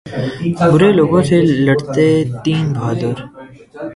برے لوگوں سے لڑتے تین بہادر